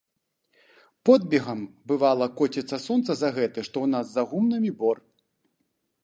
Подбегам, бывала, коціцца сонца за гэты, што ў нас за гумнамі, бор.